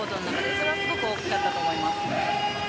それはすごくあったと思います。